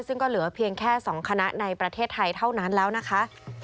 ซึ่งก็เหลือเพียงแค่๒คณะในประเทศไทยเท่านั้นแล้วนะคะ